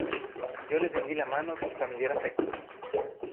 yo le tendí la mano con familiar afecto: